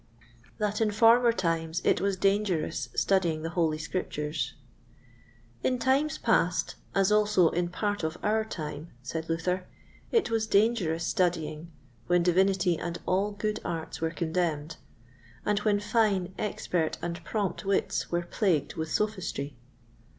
That in former Times it was dangerous studying the Holy Scriptures. In times past, as also in part of our time, said Luther, it was dangerous studying, when divinity and all good arts were contemned; and when fine, expert, and prompt wits were plagued with sophistry.